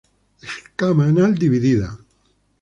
Escama anal dividida.